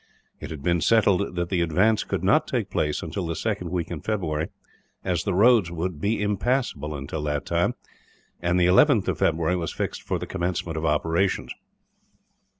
It had been settled that the advance could not take place until the second week in February, as the roads would be impassable until that time, and the 11th was fixed for the commencement of operations.